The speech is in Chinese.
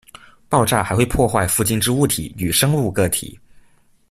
爆炸还会破坏附近之物体与生物个体。